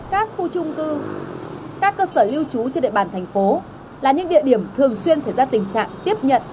các khu trung cư các cơ sở lưu trú trên địa bàn thành phố là những địa điểm thường xuyên xảy ra tình trạng tiếp nhận